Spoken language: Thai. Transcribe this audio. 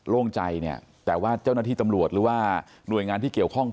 โล่งใจเนี่ยแต่ว่าเจ้าหน้าที่ตำรวจหรือว่าหน่วยงานที่เกี่ยวข้อง